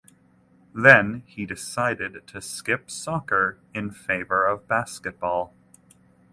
Then he decided to skip soccer in favor of basketball.